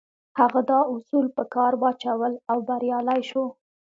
هغه دا اصول په کار واچول او بريالی شو.